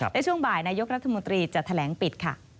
และช่วงบ่ายนายกรัฐมนตรีจะแถลงปิดค่ะ